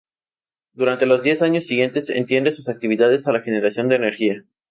Durante los diez años siguientes extiende sus actividades a la generación de energía.